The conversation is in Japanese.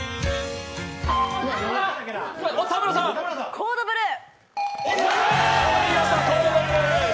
「コード・ブルー」。